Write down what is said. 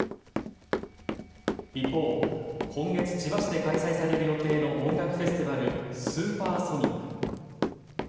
一方、今月千葉市で開催される予定の音楽フェスティバル、スーパーソニック。